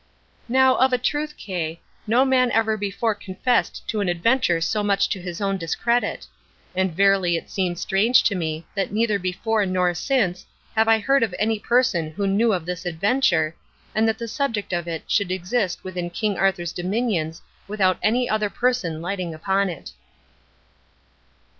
"Now, of a truth, Kay, no man ever before confessed to an adventure so much to his own discredit; and verily it seems strange to me that neither before nor since have I heard of any person who knew of this adventure, and that the subject of it should exist within King Arthur's dominions without any other person lighting upon it."